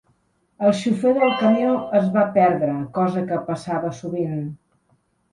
El xofer del camió es va perdre, cosa que passava sovint